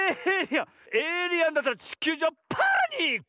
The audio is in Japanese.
エイリアンだったらちきゅうじょうはパニック！